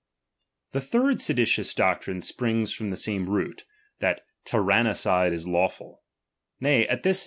The third seditious doctrine springs from the DOMINION. 153 root, that tyrannicide is lawful; nay, at tbis chap.